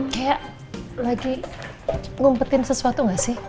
kayak lagi ngumpetin sesuatu gak sih